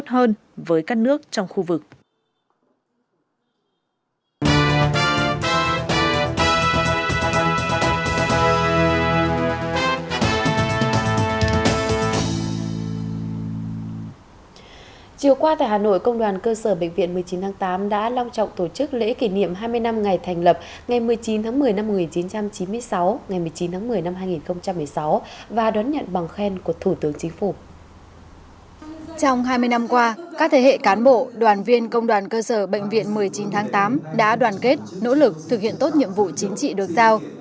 trong hai mươi năm qua các thế hệ cán bộ đoàn viên công đoàn cơ sở bệnh viện một mươi chín tháng tám đã đoàn kết nỗ lực thực hiện tốt nhiệm vụ chính trị được giao